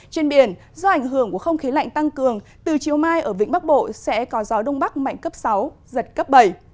trên biển do ảnh hưởng của không khí lạnh tăng cường từ chiều mai ở vĩnh bắc bộ sẽ có gió đông bắc mạnh cấp sáu giật cấp bảy